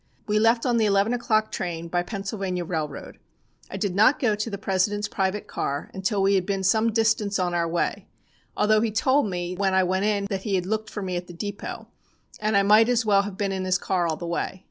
We left on the eleven o'clock train, by Pennsylvania railroad. I did not go to the President's private car until we had been some distance on our way, although he told me when I went in that he had looked for me at the depot, that I might as well have been in his car all the way.